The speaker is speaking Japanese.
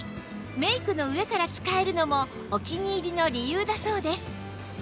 メイクの上から使えるのもお気に入りの理由だそうです